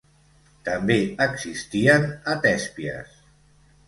També existien a Tèspies.